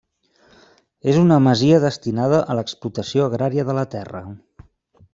És una masia destinada a l'explotació agrària de la terra.